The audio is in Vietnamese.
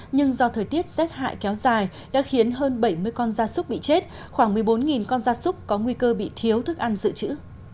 nhưng do thời tiết rét hại kéo dài đã khiến hơn bảy mươi con da súc bị chết khoảng một mươi bốn con da súc có nguy cơ bị thiếu thức ăn dự trữ